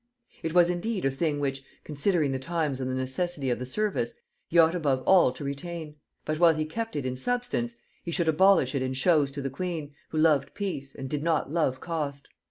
It was indeed a thing which, considering the times and the necessity of the service, he ought above all to retain; but while he kept it in substance, he should abolish it in shows to the queen, who loved peace, and did not love cost.